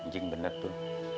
cing bener tuh